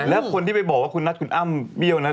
แล้วคนที่ไปบอกว่าคุณนัทคุณอ้ำเบี้ยวนั้น